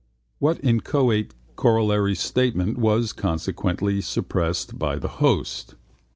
What inchoate corollary statement was consequently suppressed by the host?